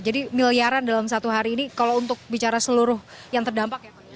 jadi miliaran dalam satu hari ini kalau untuk bicara seluruh yang terdampak ya pak